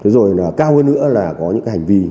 rồi là cao hơn nữa là có những cái hành vi